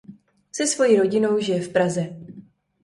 Se svojí rodinou žije v Praze.